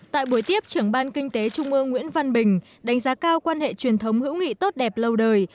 tại buổi tiếp trưởng ban kinh tế trung ương nguyễn văn bình đánh giá cao quan hệ truyền thống hữu nghị tốt đẹp lâu đời